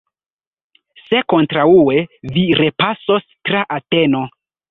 Se kontraŭe, vi repasos tra Ateno!